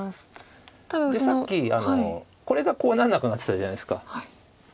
さっきこれがこうなんなくなってたじゃないですか。